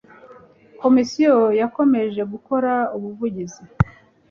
Komisiyo yakomeje gukora ubuvugizi